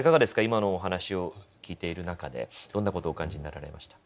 今のお話を聞いている中でどんなことお感じになられました？